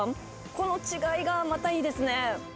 この違いがまたいいですね。